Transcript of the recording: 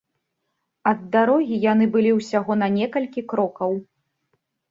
Ад дарогі яны былі ўсяго за некалькі крокаў.